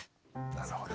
なるほどね。